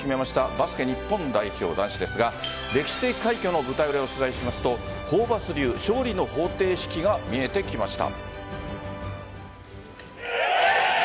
バスケ日本代表男子ですが歴史的快挙の舞台裏を取材するとホーバス流勝利の方程式が見えてきました。